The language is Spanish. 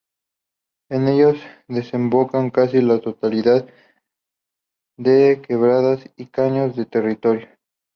En ellos desembocan casi la totalidad de quebradas y caños del territorio.